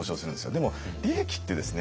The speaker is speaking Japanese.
でも利益ってですね